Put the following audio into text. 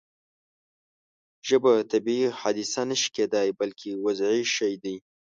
ژبه طبیعي حادثه نه شي کېدای بلکې وضعي شی دی.